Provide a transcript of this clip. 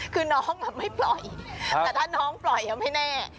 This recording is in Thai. คือน้องไม่ปล่อยแต่ถ้าน้องปล่อยไม่แน่